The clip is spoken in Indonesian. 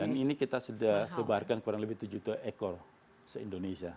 dan ini kita sudah sebarkan kurang lebih tujuh juta ekor se indonesia